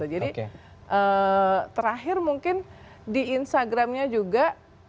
jadi terakhir mungkin di instagramnya juga